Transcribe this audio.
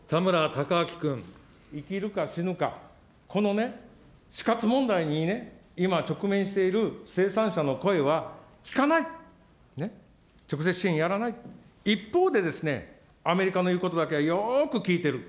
生きるか死ぬか、このね、死活問題にね、今、直面している生産者の声は聞かない、直接支援やらない、一方でですね、アメリカの言うことだけはよく聞いている。